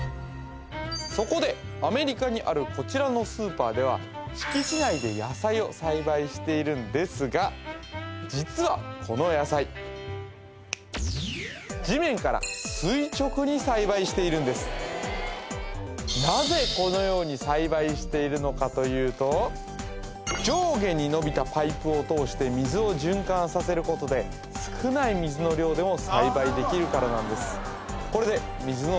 そこでアメリカにあるこちらのスーパーではしているんですが実はこの野菜地面から垂直に栽培しているんですなぜこのように栽培しているのかというと上下にのびたパイプを通して水を循環させることで少ない水の量でも栽培できるからなんです